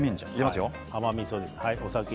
甘みそです。